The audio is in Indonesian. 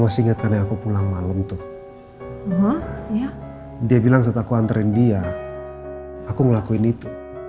masih inget kan yang aku pulang malem tuh dia bilang saat aku anterin dia aku ngelakuin itu